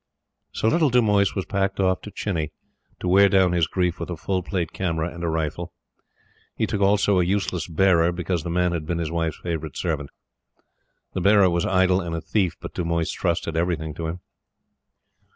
So little Dumoise was packed off to Chini, to wear down his grief with a full plate camera, and a rifle. He took also a useless bearer, because the man had been his wife's favorite servant. He was idle and a thief, but Dumoise trusted everything to him.